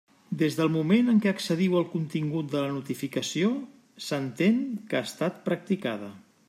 Des del moment en què accediu al contingut de la notificació, s'entén que ha estat practicada.